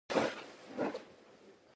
د ګلپي پاڼې د معدې لپاره وکاروئ